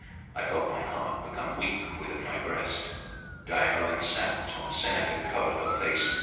I felt my heart become weak within my breast. Diamelen sat on the sand and covered her face.